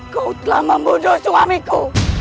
kau telah membunuh suamiku